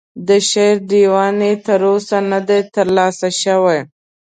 د شعر دیوان یې تر اوسه نه دی ترلاسه شوی.